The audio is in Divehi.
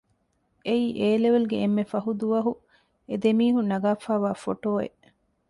އެއީ އޭލެވެލް ގެ އެންމެ ފަހު ދުވަހު އެ ދެމީހުން ނަގާފައިވާ ފޮޓޯއެއް